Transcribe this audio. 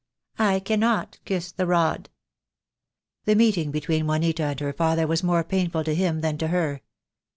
I cannot kiss the rod." The meeting between Juanita and her father was more painful to him than to her.